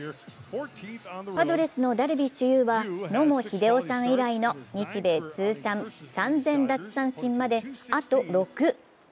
パドレスのダルビッシュ有は野茂英雄さん以来の日米通算３０００奪三振まであと６。